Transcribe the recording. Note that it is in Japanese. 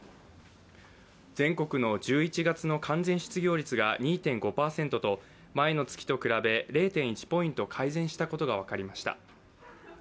全国の１１月の完全失業率が２．５％と前の月と比０．１ポイント改善したことが分かりました。